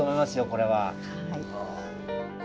これは。